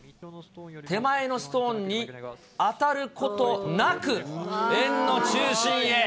手前のストーンに当たることなく、円の中心へ。